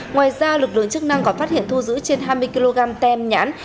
ngoài ra lực lượng chức năng còn phát hiện thu giữ trên hai mươi kg tem nhãn